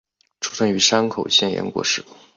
出身于山口县岩国市。